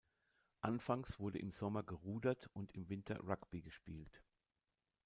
Anfangs wurde im Sommer gerudert und im Winter Rugby gespielt.